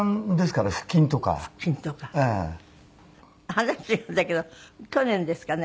話違うんだけど去年ですかね